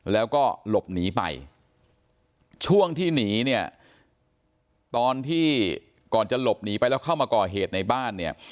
แล้วก็หลบหนีไปช่วงที่หนีเนี่ยตอนที่ก่อนจะหลบหนีไปแล้วเข้ามาก่อเหตุในบ้านเนี่ย